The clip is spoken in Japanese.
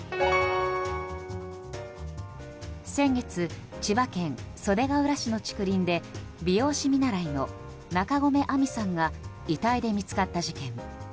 先月、千葉県袖ケ浦市の竹林で美容師見習の中込愛美さんが遺体で見つかった事件。